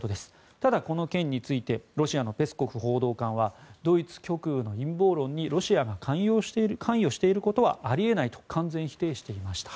ただ、この件についてロシアのペスコフ報道官はドイツ極右の陰謀論にロシアが関与していることはあり得ないと完全否定していました。